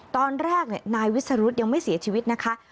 ตอนแรกนายวิสรุธยังไม่เสียชีวิตนะคะ